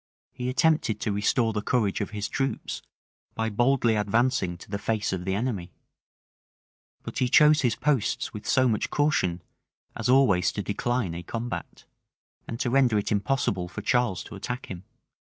He attempted to restore the courage of his troops by boldly advancing to the face of the enemy; but he chose his posts with so much caution, as always to decline a combat, and to render it impossible for Charles to attack him.